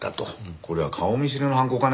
これは顔見知りの犯行かね？